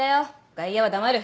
外野は黙る！